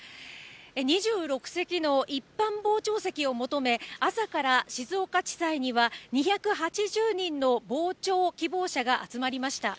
２６席の一般傍聴席を求め、朝から静岡地裁には２８０人の傍聴希望者が集まりました。